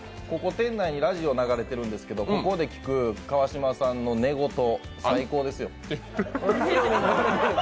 ここ店内にラジオ流れてるんですけどここで聞く川島さんの寝言、最高ですよ。